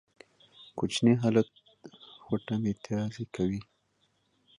کوچنی هلک تر خوټه ميتيازې کوي